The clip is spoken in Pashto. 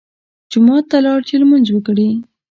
جومات ته لاړ چې لمونځ وکړي.